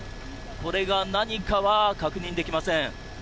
これが何かは確認できません。